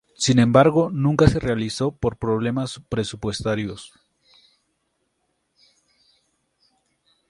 Sin embargo, nunca se realizó por problemas presupuestarios.